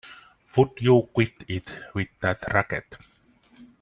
Would you quit it with that racket!